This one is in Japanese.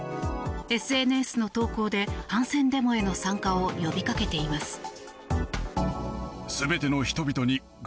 ＳＮＳの投稿で反戦デモへの参加を呼びかけています。